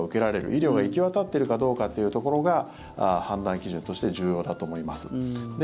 医療が行き渡ってるかどうかというところが判断基準として重要だと思います。